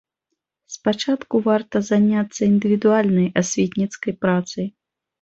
Спачатку варта заняцца індывідуальнай асветніцкай працай.